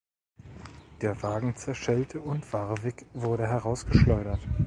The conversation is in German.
Der Wagen zerschellte und Warwick wurde herausgeschleudert.